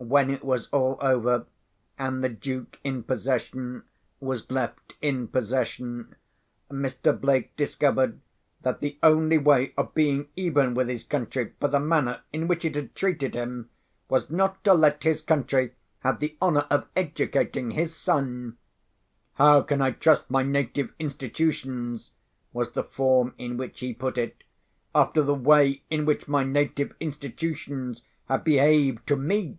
When it was all over, and the Duke in possession was left in possession, Mr. Blake discovered that the only way of being even with his country for the manner in which it had treated him, was not to let his country have the honour of educating his son. "How can I trust my native institutions," was the form in which he put it, "after the way in which my native institutions have behaved to _me?